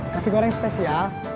nasi goreng spesial